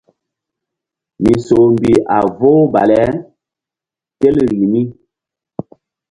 Misoh mbih a vohu bale tel rih mi.